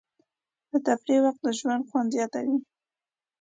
د تفریح وخت د ژوند خوند زیاتوي.